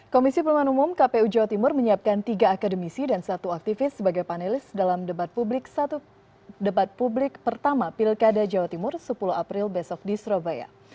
komisi pemilihan umum kpu jawa timur menyiapkan tiga akademisi dan satu aktivis sebagai panelis dalam debat publik pertama pilkada jawa timur sepuluh april besok di surabaya